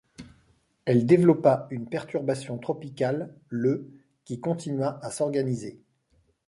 Elle développa une perturbation tropicale le qui continua à s'organiser.